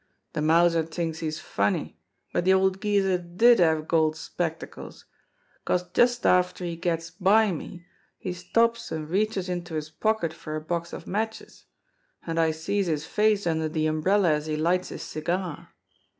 De Mouser t'inks he's funny, but de old geezer did have gold spectacles 'cause just after he gets by me he stops an' reaches into his pocket for a box of matches, an' I sees his face under de umbrella as he lights his cigar.